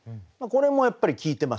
これもやっぱり効いてますね。